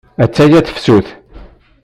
Atta-ya tefsut.